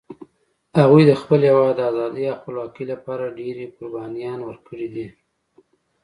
هغوی د خپل هیواد د آزادۍ او خپلواکۍ لپاره ډېري قربانيان ورکړي دي